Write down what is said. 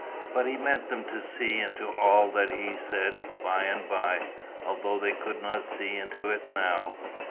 But he meant them to see into all that he said by and by, although they could not see into it now.